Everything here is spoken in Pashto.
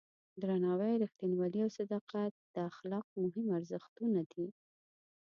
درناوی، رښتینولي او صداقت د اخلاقو مهم ارزښتونه دي.